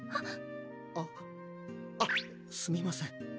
あっあっすみません